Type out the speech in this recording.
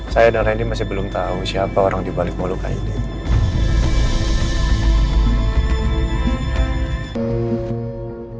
saya dan ren di masih belum tahu siapa orang dibalik mau luka ini